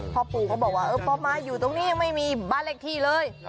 พ่อปู่ก็บอกว่าพ่อมาอยู่ตรงนี้ยังไม่มีบ้านเลขที่เลย